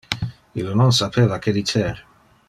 Ille non sapeva que dicer.